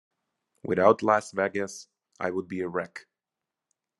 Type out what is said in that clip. Without Las Vegas, I would be a wreck.